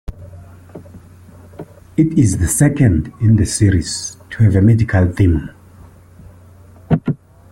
It is the second in the series to have a medical theme.